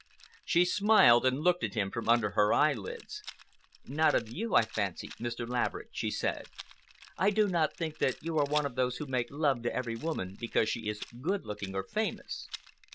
She smiled and looked at him from under her eyelids. "Not of you, I fancy, Mr. Laverick," she said. "I do not think that you are one of those who make love to every woman because she is good looking or famous."